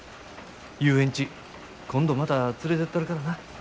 遊園地今度また連れてったるからな。